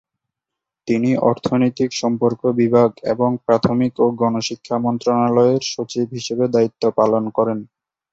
তিনি অর্থনৈতিক সম্পর্ক বিভাগ এবং প্রাথমিক ও গণশিক্ষা মন্ত্রণালয়ের সচিব হিসেবে দায়িত্ব পালন করেন।